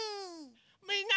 みんな。